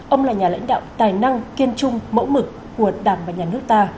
ông là nhà lãnh đạo tài năng kiên trung mẫu mực của đảng và nhà nước ta